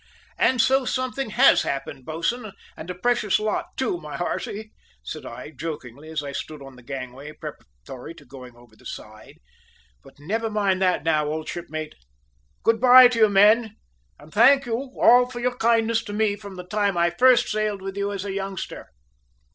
"And so something has happened, bo'sun, and a precious lot too, my hearty!" said I, jokingly, as I stood on the gangway preparatory to going over the side. "But never mind that now, old shipmate! Good bye to you, men, and thank you all for your kindness to me from the time I first sailed with you as a youngster."